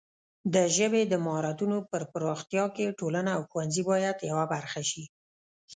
د ژبې د مهارتونو پر پراختیا کې ټولنه او ښوونځي باید یوه برخه شي.